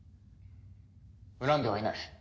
恨んではいない。